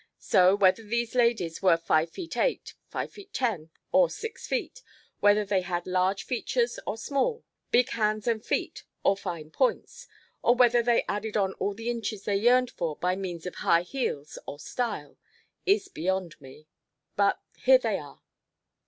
So, whether these ladies were five feet eight, five feet ten, or six feet, whether they had large features or small, big hands and feet or fine points, or whether they added on all the inches they yearned for by means of high heels or style, is beyond me. But here they are."